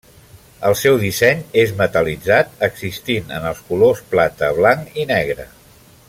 El seu disseny és metal·litzat, existint en els colors plata, blanc i negre.